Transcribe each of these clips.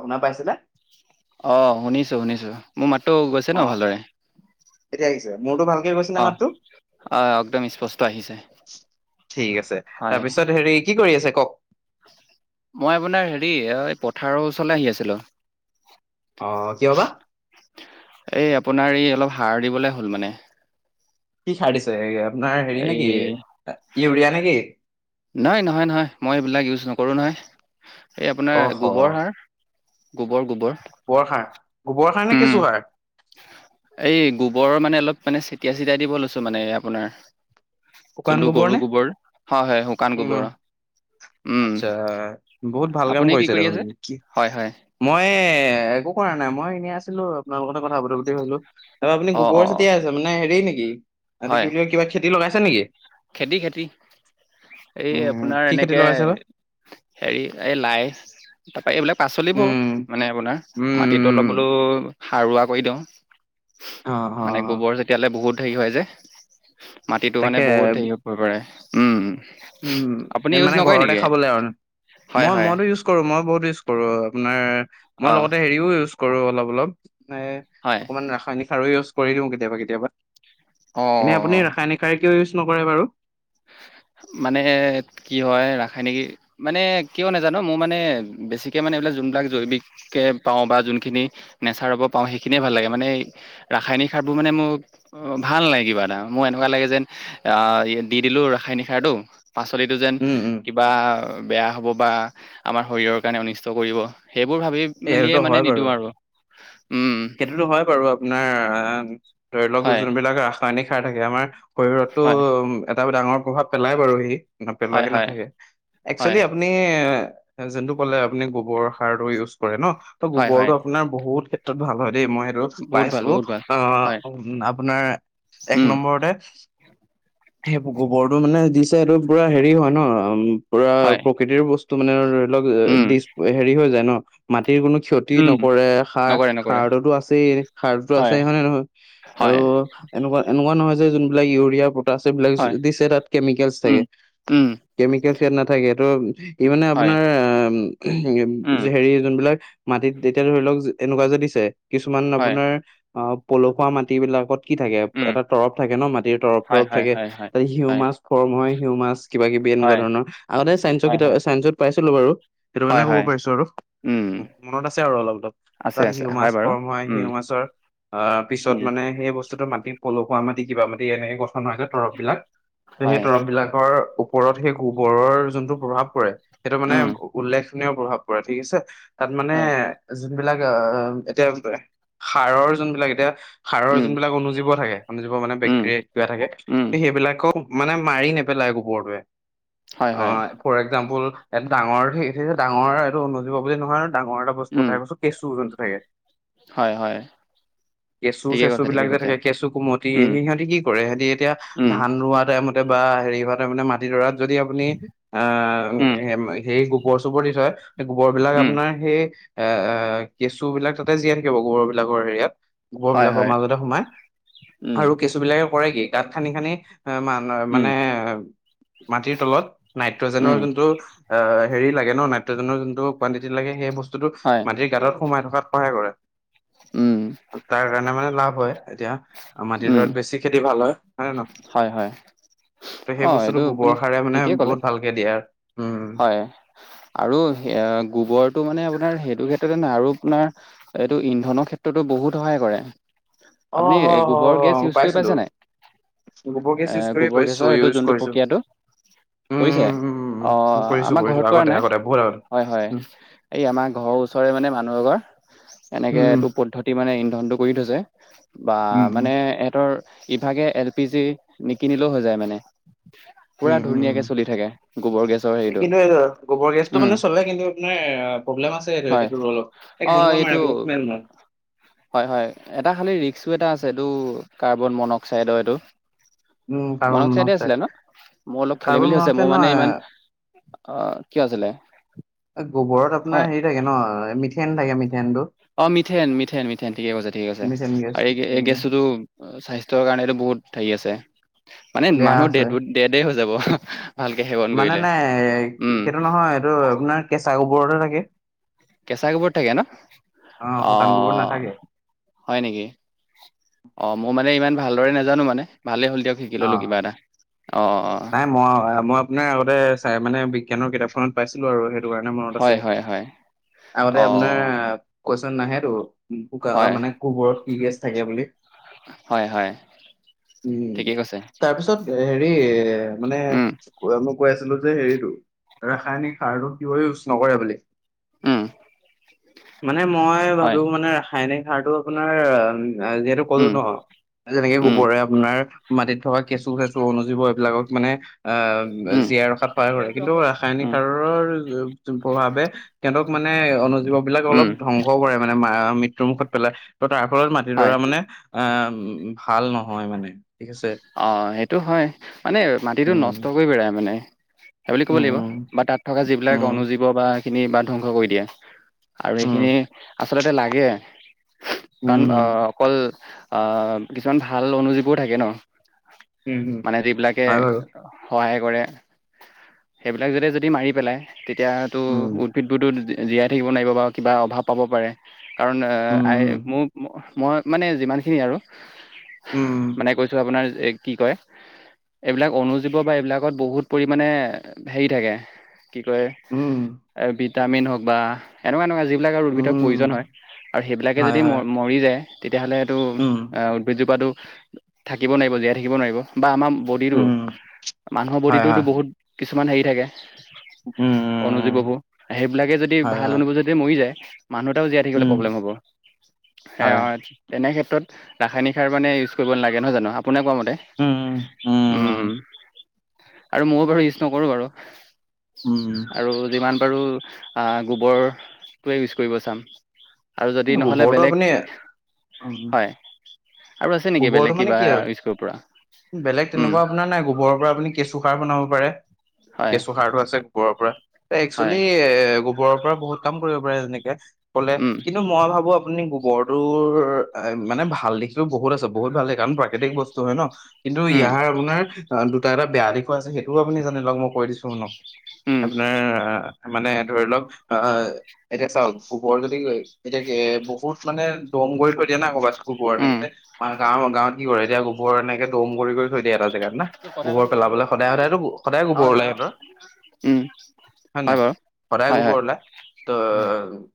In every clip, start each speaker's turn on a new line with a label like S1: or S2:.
S1: শুনা পাইছেনে?
S2: অ শুনিছোঁ শুনিছোঁ, মোৰ মাতটো গৈছে
S1: অ
S2: ন ভালদৰে?
S1: এতিয়া আহিছে, মোৰটো ভালকে গৈছেনে
S2: অ
S1: মাতটো?
S2: অ একদম স্পষ্ট আহিছে
S1: ঠিক আছে
S2: হয়
S1: তাৰপিছত হেৰী কি কৰি আছে কৱক?
S2: মই আপোনাৰ হেৰী এই পথাৰৰ ওচৰলে আহি আছিলোঁ।
S1: অ কিয় বা?
S2: এই আপোনাৰ এই অলপ সাৰ দিবলে হ'ল মানে।
S1: কি সাৰ দিছে এই আপোনাৰ হেৰী নে
S2: এই
S1: কি ইউৰিয়া নেকি?
S2: নাই নহয় নহয় মই সেইবিলাক ইউজ নকৰোঁ নহয় এই
S1: অ হ
S2: আপোনাৰ গোবৰ সাৰ। গোবৰ গোবৰ।
S1: গোবৰ সাৰ গোবৰ সাৰ নে
S2: উম
S1: কেঁচু সাৰ?
S2: এই গোবৰ মানে অলপ মানে ছেটিয়াই ছেটিয়াই দিব লৈছোঁ মানে এ আপোনাৰ
S1: শুকান
S2: যোনটো গৰু
S1: নে
S2: গোবৰ হয় হয় শুকান
S1: উম,
S2: গোবৰ অহ।
S1: আচ্ছা বহুত ভাল কাম
S2: আপুনি কি
S1: কৰিছে
S2: কৰি
S1: দেখোন।
S2: আছে
S1: কি
S2: হয় হয়
S1: মই একো কৰা নাই মই এনেই আছিলোঁ আপোনাৰ লগতে কথা পাতো বুলি ভাবিলো। তাপা আপুনি
S2: অ অ
S1: গোবৰ
S2: অ
S1: ছটিয়াই আছে মানে হেৰী নেকি এইটো কি
S2: হয়
S1: বুলি কয় কিবা খেতি লগাইছে নেকি?
S2: খেতি খেতি এই
S1: উম
S2: আপোনাৰ
S1: কি খেতি
S2: এনেকে
S1: লগাইছে বা
S2: হেৰী এই লাই তাপা এইবিলাক
S1: উম
S2: পাচলিবোৰ মানে আপোনাৰ
S1: উম
S2: মাটি
S1: উম
S2: তলৰ
S1: উম।
S2: বোলো সাৰুৱা কৰি দিওঁ।
S1: অহ অহ।
S2: মানে গোবৰ ছেটিয়ালে বহুত হেৰী হয় যে মাটিটো মানে
S1: তাকে
S2: বহুত গোবৰে, উম।
S1: উম মানে ঘৰতে খাবলে আৰু
S2: হয়
S1: মই
S2: হয়
S1: মইটো ইউছ কৰোঁ মই বহুত ইউছ কৰোঁ আপোনাৰ মই
S2: অঁ
S1: লগতে হেৰীও ইউছ কৰোঁ অলপ অলপ মানে
S2: হয়
S1: অকমান ৰাসায়নিক সাৰো ইউছ কৰি দিওঁ কেতিয়াবা কেতিয়াবা,
S2: অঁ
S1: এনে আপুনি
S2: অঁ
S1: ৰাসায়নিক কিয় ইউছ নকৰে বাৰু?
S2: মানে কি হয় ৰাসায়নিক মানে কিয় নাজানো মোৰ মানে বেছিকে মানে এইবিলাক যোনবিলাক জৈৱিক কে পাওঁ বা যোনখিনি নেচাৰৰ পৰা পাওঁ সেইখিনিয়ে ভাল লাগে মানে ৰাসায়নিক সাৰবোৰ মানে মো অ ভাল নাই কিবা এটা মোৰ এনেকুৱা লাগে যেন আহ দি দিলোঁ ৰাসায়নিক সাৰটো পাচলিটো যেন
S1: উম উম
S2: বা বেয়া হ'ব বা আমাৰ শৰীৰৰ কাৰণে অনিষ্ট কৰিব সেইবোৰ ভাবি
S1: এই
S2: মেলিয়ে
S1: সেইটোতো
S2: মানে
S1: হয় বাৰু
S2: নিদো আৰু। উম
S1: সেইটোতো হয় বাৰু আপোনাৰ আ ধৰি লৱক
S2: হয়
S1: যোনবিলাক ৰা ৰাসায়নিক সাৰ থাকে আমাৰ শৰীৰতটো
S2: হয়
S1: উম এটা ডাঙৰ প্ৰভাৱ পেলাই বাৰু সি।
S2: হয়
S1: নেপেলোৱাকে
S2: হয়
S1: নাথাকে একচলি
S2: হয়
S1: আ আপুনি যোনটো ক'লে আপুনি গোবৰ সাৰটো ইউছ কৰে ন? তো
S2: হয়
S1: গোবৰটো
S2: হয়
S1: আপোনাৰ বহুত ক্ষেত্ৰত ভাল হয় দেই মই
S2: বহুত ভাল বহুত ভাল হয়
S1: আপোনাৰ এক
S2: উম
S1: নম্বৰতে সেই গোবৰটো মানে দিছে সেইটো পুৰা হেৰি হয় ন উ পুৰা
S2: হয়
S1: প্ৰকৃতিৰ বস্তু মানে ধৰি লওক
S2: উম
S1: দি হেৰি হৈ যায় ন মাটিৰ কোনো ক্ষতি
S2: উম
S1: নকৰে সাৰ
S2: নকৰে নকৰে
S1: সাৰতো আছেই সাৰতো আছে হয় নে নহয়। আৰু।
S2: হয়
S1: এনেকুৱা এনেকুৱা নহয় যে যোনবিলাক ইউৰিয়া পটাছ সেইবিলাক
S2: হয়
S1: দিছে তাত কেমিকেলছ
S2: উম
S1: থাকে।
S2: উম
S1: কেমিকেলছ ইয়াত নাথাকেটো ই মানে
S2: হয়
S1: আপোনাৰ
S2: উম
S1: অ', হেৰি বিলাক মাটিত তেতিয়া ধৰি লওক এনেকুৱা যেদি দিছে কিছুমান
S2: হয়
S1: আপোনাৰ অ', পলসুৱা মাটি বিলাকত কি থাকে
S2: উম
S1: এটা তৰফ থাকে ন মাটিৰ তৰফ
S2: হয়
S1: তৰফ
S2: হয়
S1: থাকে
S2: হয় হয়
S1: তাতে সিউ
S2: হয়
S1: মাছ ফৰম হয় সিউ মাছ কিবা কিবি এনেকুৱা
S2: হয়
S1: ধৰণৰ আগতে চাইন্সৰ
S2: হয়
S1: কিতাপ
S2: হয়
S1: চায়ন্সত পাইছিলোঁ বাৰু সেইটো
S2: হয়
S1: কাৰণে ক'ব
S2: হয়
S1: পাৰিছোঁ আৰু
S2: উম
S1: মনত আছে আৰু অলপ অলপ
S2: আছে
S1: ত
S2: আছে
S1: হিউ মাছ
S2: হয় বাৰু
S1: কৰম হয়
S2: উম
S1: হিউ মাছৰ অ', পিছত
S2: উম
S1: মানে সেই বস্তুতটো মাতি পলপুৱা মাটি কিবা মাটি এনেকে গছ যে তৰব বিলাক ত সেই
S2: হয়
S1: তৰব বিলাকৰ ওপৰত সেই গোবৰৰ যোনটো প্ৰভাৱ পৰে সেইটো মানে
S2: উম
S1: উল্লেখনীয় প্ৰভাৱ পৰে ঠিক আছে। তাত মানে
S2: হয়
S1: যোনবিলাক আহ এতিয়া সাৰৰ যোনবিলাক এতিয়া সাৰৰ
S2: উম
S1: যোনবিলাক অনুজীৱ থাকে অনুজীৱ মানে
S2: উম
S1: বেকে থাকে
S2: উম
S1: সেইবিলাকও মানে মাৰি নেপেলায় গোবৰটোৱে
S2: হয় হয়
S1: অ' ফৰ এক্জাম্পল এ ডাঙৰ, ডাঙৰ এইটো অনুজীৱ বুলি নহয় ডাঙৰ এটা বস্তু
S2: উম
S1: উঠাই কৈছো কেঁচু যোনটো থাকে
S2: হয়, হয়।
S1: কেঁচু
S2: ঠিকে
S1: চেঁচু
S2: কৈছে ঠিকে
S1: বিলাক যে
S2: কৈছে
S1: থাকে কেঁচু কুমতি
S2: উম
S1: সেই সিহঁতি কি কৰে সিহঁতি এতিয়া
S2: উম
S1: ধান ৰোৱা টাইমত বা হেৰি ভ মানে মাটিডৰাত যদি আপুনি আহ
S2: উম
S1: সেই গোবৰ চোবৰ দি থয় সেই গোবৰবিলাক
S2: উম
S1: আপোনাৰ সেই এ কেঁচু বিলাক তাতে জীয়াই থাকিব গোৰ বিলাকৰ হেৰিয়াত গোবৰ
S2: হয়
S1: বিলাকৰ
S2: হয়
S1: মাজতে সোমাই
S2: উম
S1: আৰু কেঁচু বিলাকে কৰে কি তাত খান্দি খানি অ', মান
S2: উম
S1: মানে মাটিৰ তলত
S2: উম
S1: নাইট্ৰজেনৰ যোনটো অ', হেৰি লাগে ন নাইট্ৰজেনৰ যোনটো কণ্টিটি লাগে সেই বস্তুতটো
S2: হয়।
S1: গাতত সোমাই থকাত সহায়
S2: উম
S1: কৰে তাৰ কাৰণে মানে লাভ হয় এতিয়া আৰু
S2: উম
S1: মাটিডৰাৰত বেছি খেতি ভাল হয় নে ন।
S2: হয়, হয়।
S1: ত
S2: অ
S1: সেই বস্তুটো
S2: এইটো আপুনি
S1: গোবৰ সাৰে মানে
S2: ঠিকেই ক'লে
S1: বহুত ভালকে দিয়ে উম।
S2: হয় আৰু গোবৰটো মানে আপোনাৰ সেইটো ক্ষেত্ৰতে নাই আৰু আপোনাৰ এইটো ইন্ধনৰ ক্ষেত্ৰতো বহুত সহায় কৰে
S1: অ
S2: আপুনি
S1: হ হ
S2: গোবৰ গেছ
S1: মই
S2: ইউজ কৰি
S1: পাইছিলো
S2: পাইছে নাই
S1: গোবৰ গেছ
S2: এ
S1: ইউজ কৰি
S2: গোবৰ
S1: পাইছো
S2: গেছৰ এইটো
S1: ইউজ
S2: যোনটো
S1: কৰিছো
S2: প্ৰক্ৰিয়াটো
S1: উম
S2: কৰিছে
S1: উম উম উম উম উম
S2: অ',
S1: কৰিছো
S2: আমাৰ
S1: কৰিছো
S2: ঘৰত কৰা
S1: আগতে
S2: নাই
S1: আগতে বহুত আগতে
S2: হয়, হয়
S1: উম
S2: এই আমাৰ ঘৰৰ ওচৰৰে মানে মানুহ এঘৰ। এনেকে
S1: উম
S2: এইটো পদ্ধতি মানে ইন্ধনটো কৰি থৈছে বা
S1: উম উম
S2: এ এহঁতৰ ইভাগে এল পি জি নিকিনিলেও হৈ যায় মানে। পুৰা
S1: উম, উম
S2: ধুনীয়াকে চলি থাকে গোবৰ গেছৰ
S1: উ
S2: হেৰিটো
S1: কিন্তু এই গোবৰ গেছটো
S2: উম
S1: মানে চলে কিন্তু আপোনাৰ প্ৰব্লেম আছে স
S2: হয়
S1: সেইটো অলপ এক
S2: অ
S1: বন্ধা মাৰে
S2: এইটো
S1: বু মেন ন।
S2: হয় হয় এটা খালী ৰিক্সো এটা আছে এইটো কাৰ্বন মনঅক্সাইডৰ এইটো
S1: উম
S2: মন
S1: কাৰ্বন
S2: অক্সাইডে
S1: মনক্সাইড
S2: আছিলে ন মোৰ অলপ খেলি
S1: কাৰ্বন
S2: মেলি হৈছে
S1: মনক্সাইড
S2: মোৰ মানে
S1: নহয়
S2: ইমান অ কি আছিলে
S1: গোবৰত আপোনাৰ
S2: হয়
S1: হেৰি থাকে ন মিথেন থাকে মিথেনটো।
S2: অ মিথেন মিথেন মিথেন ঠিকে কৈছা ঠিকে কৈছা
S1: মিছাম গেছ
S2: আৰু এই গে
S1: উম
S2: গেছটোতো স্বাস্থ্যৰ কাৰণেটো বহুত হেৰি আছে মানে
S1: বেয়া
S2: মানুহ
S1: আছে
S2: ডেত ব ডেতে হৈ যাব। ভালকে সেৱন
S1: মানে
S2: কৰিলে
S1: নাই
S2: উম
S1: এটো নহয় এটো আপোনাৰ কেঁচা গোবৰতহে থাকে।
S2: কেঁচা গোবৰত থাকে ন অ
S1: শুকান গোবৰত নাথাকে
S2: হয় নেকি অ মোৰ মানে ইমান ভালদৰে নাজানো মানে ভালেই হ'ল দিয়ক শিকি
S1: অ
S2: ললো কিবা এটা অ অ
S1: নাই মই মই আপোনাৰ আগতে চাই মানে বিজ্ঞানৰ কিতাপখনত পাইছিলো আৰু সে- টো কাৰণে মনত আছে
S2: হয় হয় হয়
S1: আগতে
S2: অ
S1: আপোনাৰ কোৱেচোন আহে টো গা
S2: হয়
S1: মানে গোবৰত কি গেছ থাকে বুলি
S2: হয় হয়
S1: উম
S2: ঠিকেই কৈছে
S1: তাৰপিছত হেৰি মানে
S2: উম
S1: কৈ মই কৈ আছিলো যে হেৰিটো ৰাসায়নিক সাৰটো কিয় ইউজ নকৰে বুলি
S2: উম
S1: মানে মই
S2: হয়।
S1: ভাবো মানে ৰাসায়নিক সাৰটো আপোনাৰ এ যিহেতু ক'লো
S2: উম,
S1: ন যেনেকে
S2: উম,
S1: গোবৰে আপোনাৰ মাটিত থকা কেঁচু চেচু অনুজীৱ এইবিলাকক মানে আহ
S2: উম,
S1: জীয়াই ৰখাত সহায় কৰে কিন্তু ৰাসায়নিক
S2: উম,
S1: সাৰৰ প্ৰভাৱে সিহঁতক মানে অনুজীৱ বিলাক অলপ
S2: উম,
S1: ধ্বংসও কৰে মানে মা মৃত্যুৰ মুুখত পেলাই ত' তাৰ ফলত
S2: হয়।
S1: মাটিডৰা মানে এ ভাল নহয় মানে ঠিক আছে।
S2: অ সেইটো হয় মানে মাটিটো
S1: উম
S2: নষ্ট কৰি পেলাই মানে। সেই বুলি ক'ব
S1: উম
S2: লাগিব বা তাত থকা যিবিলাক
S1: উম
S2: অনুজীৱ বা সেই খিনি বা ধ্বংস কৰি দিয়ে। আৰু
S1: উম
S2: এইখিনি আচলতে লাগে। কাৰণ
S1: উম উম
S2: অহ অকল আহ কিছুমান ভাল অনুজীৱো থাকে ন।
S1: উম উম
S2: মানে যিবিলাকে
S1: হয় বাৰু
S2: সহায় কৰে সেইবিলাক যদি যদি মাৰি পেলাই তেতিয়াতো
S1: উম
S2: উদ্ভিদবোৰতো তিতি জীয়াই থাকিব নোৱাৰিব বা কিবা অভাৱ পাব পাৰে কাৰণ অ
S1: উম
S2: আই মোৰ মই মানে যিমানখিনি আৰু
S1: উম
S2: মানে কৈছো আপোনাৰ এ কি কয় এইবিলাক অনুজীৱ বা এইবিলাকত বহুত পৰিমাণে হেৰি থাকে কি কয়
S1: উম
S2: এ ভিটামিন হওক বা এনেকুৱা এনেকুৱা যিবিলাক আৰু উদ্ভিদৰ প্ৰয়োজন হয়
S1: উম,
S2: আৰু সেইবিলাকে যদি
S1: হয়,
S2: ম
S1: হয়,
S2: মৰি যায় তেতিয়াহ'লে এইটো
S1: উম,
S2: উদ্ভিদ জোপাটো থাকিব নোৱাৰিব জীয়াই থাকিব নোৱাৰিব বা আমা- বডিটো
S1: উম,
S2: মানুহৰ
S1: হয়,
S2: বডিটোওতো
S1: হয়,
S2: বহুত কিছুমান হেৰি থাকে
S1: উম, উম, উম,
S2: অনুজীৱবো সেইবিলাকে যদি
S1: হয়,
S2: ভাল
S1: হয়,
S2: অনু বোৰ যাতে মৰি যায় মানুহ এটাও জীয়াই থাকিবলে
S1: উম,
S2: প্ৰব্লেম হ'ব। সে
S1: হয়,
S2: অ তেনে ক্ষেত্ৰত ৰাসায়নিক সাৰ মানে ইউজ কৰিব নালাগে নহয় জানো আপোনাক কোৱা মতে উম আৰু মও বাৰু ইউজ নকৰো বাৰু।
S1: উম,
S2: আৰু যিমান বাৰু আ গোৱৰ টোৱে ইউজ কৰিব চাম আৰু য- যদি নহ'লে
S1: গোবৰটো
S2: বেলেগ
S1: আপুনি উম,
S2: হয় আৰু আছে নেকি
S1: গোবৰটো
S2: বেলেগ
S1: মানে
S2: কিবা
S1: কি আৰু
S2: ইউজ কৰিব পৰা? [unintelligible]
S1: বেলেগ
S2: উম
S1: তেনেকুৱা আপোনাৰ নাই গোবৰৰ পৰা আপুনি কেঁচু সাৰ বনাব পাৰে
S2: হয়
S1: কেঁচু সাৰটো আছে। [unintelligible] গোবৰৰ পৰা একচুৱেলি
S2: হয়
S1: এ গোবৰৰ পৰা বহুত কাম কৰিব পাৰে যেনেকে কলে [unintelligible]
S2: উম
S1: কিন্তু মই ভাবো আপুনি গোবৰটোৰ এ মানে ভাল দিশটো বহুত আছে বহুত ভাল দিশ কাৰণ প্ৰাকৃতিক বস্তু [unintelligible] বস্তু হয় ন, কিন্তু
S2: উম
S1: ইয়াৰ আপোনাৰ দুটা, এটা বেয়া দিশো আছে সেইটোও আপুনি জানি লওক মই কৈ দিছো শুনক। [unintelligible]
S2: উম
S1: আপোনাৰ আহ মানে ধৰি লওক আহ এতিয়া চাওক [unintelligible] [unintelligible] যদি এতিয়া বহুত মানে দম কৰি থৈ দিয়া না ক'ৰবাত। গোবৰ
S2: উম
S1: এনেকে মানে গাঁৱৰ গাঁৱত কি কৰে এতিয়া গোবৰ এনেকে দম কৰি-কৰি [unintelligible] থৈ দিয়ে এটা জেগাত না। গোবৰ পেলাবলৈ সদায় সদায়তো সদায় গোবৰ ওলাই সিহঁতৰ। [unintelligible]
S2: উম
S1: হয় নাই? সদায়
S2: হয়
S1: গোবৰ ওলাই? [unintelligible] তহ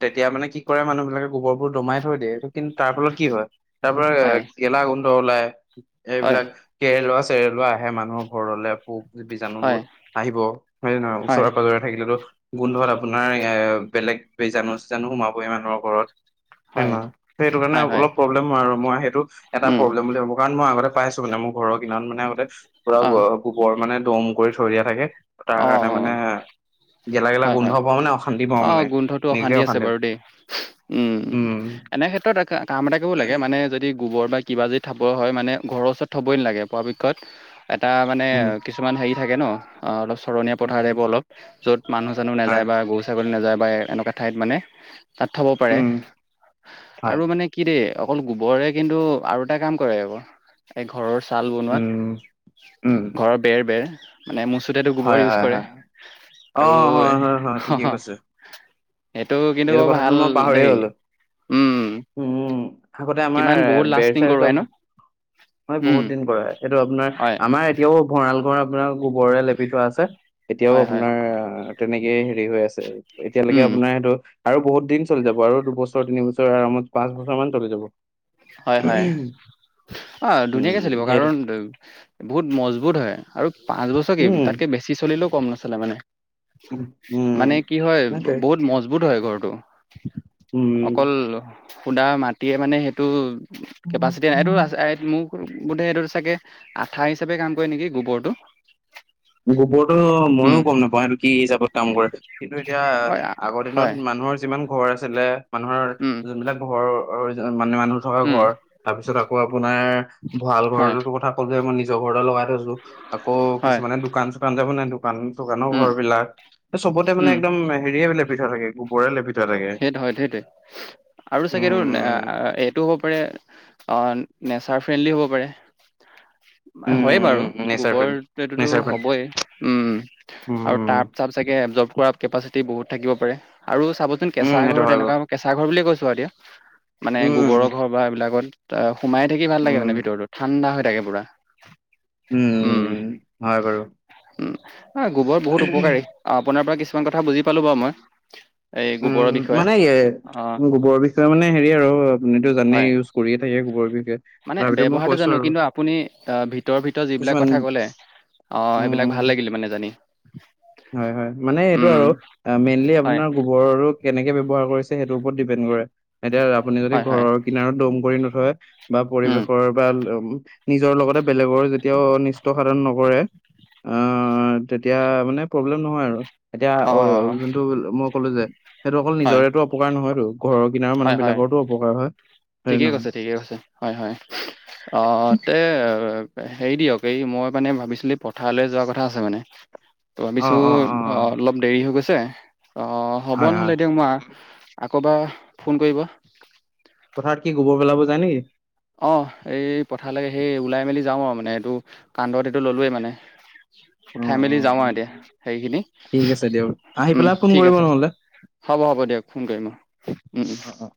S1: তেতিয়া মানে কি কৰে মানুহ বিলাকে গোবৰবোৰ দমাই থৈ দিয়ে এইটো [unintelligible] কিন্তু তাৰ ফলত কি হয় তাৰ পৰা
S2: হয়
S1: গেলা গোন্ধ ওলাই
S2: হয়
S1: এইবিলাক [unintelligible] কেৰেলোৱা-চেৰেলোৱা আহে মানুহৰ ঘৰলৈ পোক [unintelligible]
S2: হয়
S1: বীজণুবোৰ আহিব হয় নে নহয়?
S2: হয় হয়
S1: ওচৰে-পাজৰে থাকিলেতো। [unintelligible] গোন্ধত আপোনাৰ এ বেলেগ বীজাণু-চিজানু সোমাবহি মানুহৰ ঘৰত। [unintelligible] হয় নে নহয়? সেইটো কাৰণে
S2: হয় হয়
S1: অলপ প্ৰব্লেম আৰু মই সেইটো এটা প্ৰব্লেম বুলি ভাবোঁ কাৰণ মই আগতে পাইছোঁ। [unintelligible] মানে মোৰ ঘৰৰ কিনাৰত মানে আগতে পুৰা
S2: অঁ
S1: গোবৰ মানে দম কৰি থৈ দিয়া থাকে। [unintelligible] তাৰ
S2: অঁ
S1: কাৰণে মানে
S2: অঁ
S1: [unintelligible] গেলা-গেলা
S2: হয়
S1: গোন্ধ
S2: হয়
S1: পাওঁ মানে, অশান্তি পাওঁ
S2: অঁ
S1: মানে,
S2: গোন্ধটো
S1: নিজে
S2: আছে
S1: অশান্তি
S2: বাৰু
S1: [unintelligible]
S2: দেই উম!
S1: উম
S2: এনে ক্ষেত্ৰত কাম এটা কৰিব লাগে মানে যদি গোবৰ বা [unintelligible] কিবা যদি থব হয় মানে ঘৰৰ ওচৰত থ'বই নালাগে পৰাপক্ষত এটা মানে
S1: উম
S2: [unintelligible] কিছুমান হেৰি থাকে ন অঁ অলপ [unintelligible] ধৰণীয়া পথাৰ
S1: উম
S2: আহিব অলপ য'ত মানুহ-চানুহ
S1: হয়
S2: নাযায় বা গৰু-ছাগলী নাযায় বা এনেকুৱা ঠাইত মানে [unintelligible] তাত থব পাৰে
S1: উম হয়
S2: আৰু মানে [unintelligible] কি দেই অকল গোবৰে কিন্তু আৰু এটা কাম কৰে এইবোৰ এই ঘৰৰ [unintelligible] ছাল বনোৱাত,
S1: উম উম
S2: ঘৰৰ বেৰ-বেৰ মানে মচুতেটো [unintelligible]
S1: হয়
S2: গোবৰ ইউজ
S1: হয়
S2: কৰে
S1: হয় অ
S2: আৰু
S1: হয় হয় হয় ঠিকে কৈছে
S2: [unintelligible] সেইটো কিন্তু
S1: এইটো
S2: বৰ
S1: কথাটো
S2: ভাল
S1: মই পাহৰিয়ে
S2: দেই।
S1: গলো
S2: [unintelligible] উম!
S1: উম আগতে আমাৰ
S2: কিমান বহুত লাষ্টিং কৰোৱাই ন? [unintelligible]
S1: হয়,
S2: উম
S1: বহুত দিন কৰে সেইটো আপোনাৰ
S2: হয়
S1: আমাৰ [unintelligible] এতিয়াও ভঁৰাল ঘৰ আপোনাৰ গোবৰেৰে লেপি থোৱা আছে এতিয়াও
S2: হয় হয়
S1: আপোনাৰ [unintelligible] তেনেকেই হেৰি হৈ আছে এতিয়ালৈকে
S2: উম
S1: আপোনাৰ সেইটো [unintelligible] আৰু বহুত দিন চলি যাব আৰু দুবছৰ, তিনিবছৰ আৰামত পাঁচ বছৰ মান চলি যাব। [unintelligible]
S2: হয়-হয়, অঁ
S1: উম
S2: ধুনীয়াকে চলিব
S1: সেইটো
S2: কাৰণ [unintelligible] বহুত মজবুত হয় আৰু পাঁচ বছৰ কি
S1: উম
S2: তাতকে বেছি চলিলেও কম নচলে মানে।
S1: উম
S2: [unintelligible]
S1: উম
S2: মানে কি হয়
S1: সেইটোৱে
S2: বহুত মজবুত হয় ঘৰটো। [unintelligible] অকল
S1: উম
S2: সুদা মাটিয়ে মানে সেইটো কেপাচিটি নাই এইটো [unintelligible] মোক [unintelligible] বোধে সেইটো চাগে আঠা হিচাপে কাম কৰে নেকি গোবৰটো।
S1: গোবৰটো ময়ো
S2: উম
S1: গ'ম নাপাওঁ সেইটো কি হিচাপত কাম কৰে কিন্তু এতিয়া
S2: হয়
S1: [unintelligible]
S2: আ-
S1: আগৰ দিনত
S2: হয়
S1: মানুহৰ যিমান ঘৰ আছিলে [inaudible] মানুহৰ
S2: উম
S1: যোনবিলাক ঘৰ [unintelligible] মানে মানুহ থকা
S2: উম
S1: ঘৰ তাৰপিছত আকৌ আপোনাৰ ভঁৰাল
S2: হয়
S1: ঘৰতো কথা [unintelligible] সকলোৱে মই নিজৰ ঘৰতে লগাই থৈছো আকৌ
S2: হয়
S1: কিছুমানে দোকান-চোকান যাব নাই [unintelligible] দোকান-দোকানৰ
S2: উম
S1: ঘৰবিলাক চবতে মানে
S2: উম
S1: একদম হেৰিয়ে লেপি থোৱা থাকে, গোবৰে লেপি থোৱা থাকে। [unintelligible]
S2: [unintelligible] সেইটো হয় সেইটোৱে আৰু চাগেটো আহ
S1: উম
S2: [unintelligible] আহ এইটো হ'ব পাৰে, নেচাৰ ফ্ৰেণ্ডলি হ'ব পাৰে। হয়ে বাৰু
S1: উম নেচাৰ ফ্ৰেণ্ড
S2: গোবৰটোতো
S1: নেচাৰ ফ্ৰেণ্ড
S2: হ'বই উম আৰু
S1: উম
S2: তাৰপিছত- চাগে এবজৰ্ কৰা কেপাচিটি বহুত থাকিব পাৰে আৰু চাবচোন
S1: উম,
S2: কেঁচা
S1: সেইটো
S2: ঘৰত
S1: হয় বাৰু।
S2: এনেকুৱা- কেঁচা ঘৰ বুলিয়ে কৈছো আৰু এতিয়া, মানে গোবৰৰ
S1: উম,
S2: ঘৰ বা এইবিলাকত- অ সোমাই থাকি ভাল লাগে
S1: উম,
S2: মানে ভিতৰতো ঠাণ্ডা হৈ থাকে পুৰা। উম,
S1: হয় বাৰু।
S2: উম গোবৰ বহুত উপকাৰী। আপোনাৰ পৰা কিছুমান কথা বুজি পালো বাৰু মই এই- গোবৰৰ
S1: উম
S2: বিষয়ে
S1: মানে ই
S2: অ
S1: গোবৰৰ বিষয়ে মানে হেৰি আৰু আপুনিতো
S2: হয়
S1: জানেই- কৰিয়ে থাকে গোবৰ বিষয়ে-
S2: মানে
S1: তথাপিতো মই
S2: ব্যৱহাৰটো
S1: কৈছো
S2: জানো
S1: আৰু
S2: কিন্তু আপুনি আহ ভিতৰৰ ভিতৰত যিবিলাক
S1: কিছুমান
S2: কথা ক'লে- অ
S1: উম,
S2: এইবিলাক ভাল লাগিলে মানে জানি।
S1: হয় হয় মানে এইটো
S2: উম
S1: আৰু মেইনলি
S2: হয়
S1: আপোনাৰ- পৰো কেনেকে ব্যৱহাৰ কৰিছে সেইটো ওপৰত ডিপেণ্ড কৰে, এতিয়া- আপুনি যদি
S2: হয় হয়
S1: ঘৰৰ কিনাৰত দম কৰি নথয় বা
S2: উম
S1: পৰিবেশৰ বা নিজৰ লগতে- বেলেগৰ যেতিয়াও নিষ্ট সাধন নকৰে, আহ তেতিয়া মানে- প্ৰব্লেম নহয় আৰু এতিয়া
S2: অ
S1: যোনটো মই ক'লো যে সেইটো অকল
S2: হয়
S1: নিজৰেতটো অপকাৰ নহয় টো- ঘৰৰ কিনাৰ
S2: হয় হয়
S1: মানুহবিলাকৰতো উপকাৰ হয়। হয়নে
S2: ঠিকেই
S1: নহয়?
S2: কৈছে ঠিকেই কৈছে। হয় হয় অ তে হেৰি দিয়ক এই মই মানে ভাবিছিলো- পথাৰলৈ যোৱা কথা আছে মানে, ত
S1: অ অ
S2: ভাবিছো-
S1: অ
S2: অঁহ অলপ দেৰি হৈ গৈছে, অ হ'ব
S1: হয় হয়।
S2: নহ'লে দিয়ক মই - আকৌ এবাৰ ফোন কৰিব?
S1: পথাত কি গোবৰ পেলাব জাই নেকি?
S2: অ এই পথাল লকে সেই ওলাই মেলি যাওঁ আৰু মানে এইটো কান্দত এইটো ললোৱেই মানে।
S1: অ
S2: উঠাই
S1: অ
S2: মেলি যাওঁ
S1: অ
S2: আৰু এতিয়া সেইখিনি,
S1: ঠিক আছে দিয়ক, আহি
S2: উম
S1: পেলাই ফোন
S2: ঠিক
S1: কৰিব
S2: আছে।
S1: নহ'লে।
S2: হ'ব হ'ব দিয়ক ফোন কৰিম মই, উম উম।
S1: অ অ অ।